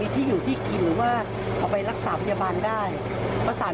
ก็รู้สึกเสียใจว่า